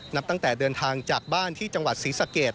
นับตั้งแต่เดินทางจากบ้านที่จังหวัดศรีสะเกด